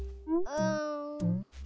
うん。